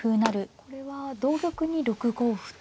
これは同玉に６五歩と。